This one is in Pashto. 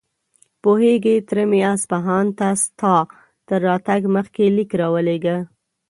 پوهېږې، تره مې اصفهان ته ستا تر راتګ مخکې ليک راولېږه.